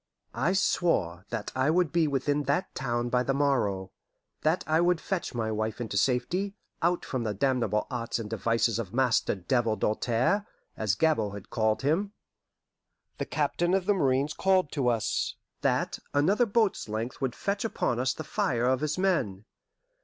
I swore that I would be within that town by the morrow, that I would fetch my wife into safety, out from the damnable arts and devices of Master Devil Doltaire, as Gabord had called him. The captain of the marines called to us that another boat's length would fetch upon us the fire of his men.